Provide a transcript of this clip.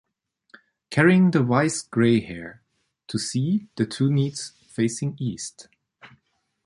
carrying the wise grey hair; to see the two needs facing east.